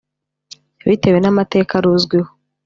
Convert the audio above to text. Bitewe n’amateka ruzwiho